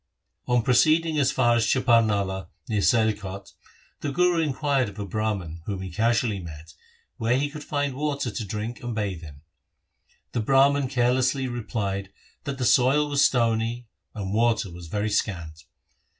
On proceeding as far as Chaparnala near Sialkot, the Guru inquired of a Brahman, whom he casually met, where he could find water to drink and bathe in. The Brahman carelessly replied, that the soil was stony and water was very scant.